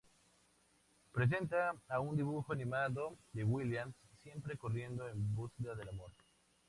Presenta a un dibujo animado de Williams, siempre corriendo en búsqueda del amor.